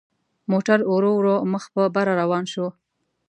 موټر ورو ورو مخ په بره روان شو.